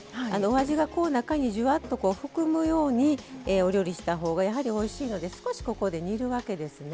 お味が中にじゅわっと含むようにお料理したほうがやはりおいしいので少しここで煮るわけですね。